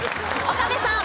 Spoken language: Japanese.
岡部さん。